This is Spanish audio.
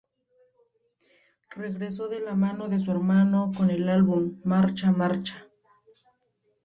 Regresó de la mano de su hermano con el álbum "¡Marcha, marcha!